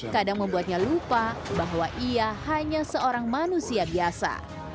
kadang membuatnya lupa bahwa ia hanya seorang manusia biasa